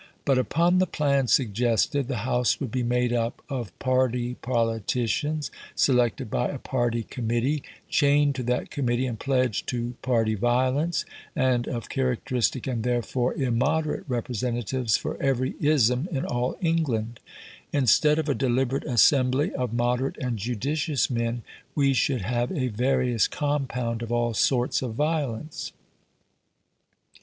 But upon the plan suggested, the House would be made up of party politicians selected by a party committee, chained to that committee and pledged to party violence, and of characteristic, and therefore immoderate representatives, for every "ism" in all England. Instead of a deliberate assembly of moderate and judicious men, we should have a various compound of all sorts of violence.